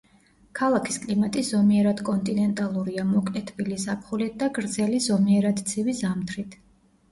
ქალაქის კლიმატი ზომიერად კონტინენტალურია, მოკლე თბილი ზაფხულით და გრძელი ზომიერად ცივი ზამთრით.